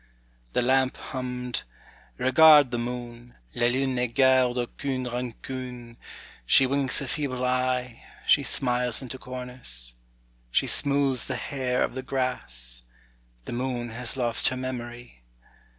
The lamp hummed: âRegard the moon, La lune ne garde aucune rancune, She winks a feeble eye, She smiles into corners. She smoothes the hair of the grass. The moon has lost her memory.